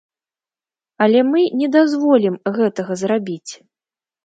Але мы не дазволім гэтага зрабіць.